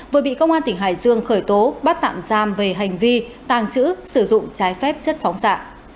vừa bị công an tỉnh hải dương khởi tố bắt tạm giam về hành vi tàng trữ sử dụng trái phép chất phóng xạ